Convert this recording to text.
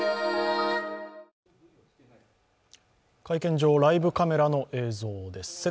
会見場、ライブカメラの映像です